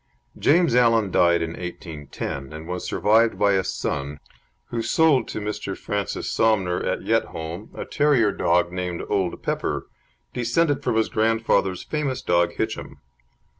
James Allan died in 1810, and was survived by a son who sold to Mr. Francis Somner at Yetholm a terrier dog named Old Pepper, descended from his grandfather's famous dog Hitchem.